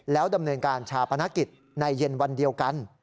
แล้วดำเนินการชาปนกิจในเย็นวันเดียวกัน